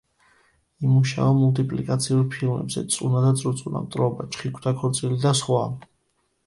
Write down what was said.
იმუშავა მულტიპლიკაციურ ფილმებზე: „წუნა და წრუწუნა“, „მტრობა“, „ჩხიკვთა ქორწილი“ და სხვა.